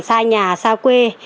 xa nhà xa quê